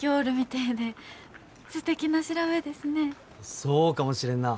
そうかもしれんなあ。